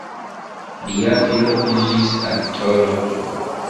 Lia filo iĝis aktoro.